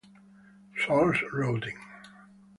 Source routing